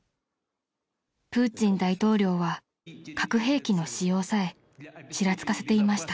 ［プーチン大統領は核兵器の使用さえちらつかせていました］